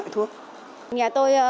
thế là bây giờ tôi